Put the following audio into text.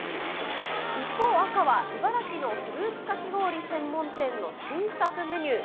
一方赤は、茨城のフルーツかき氷専門店の新作メニュー。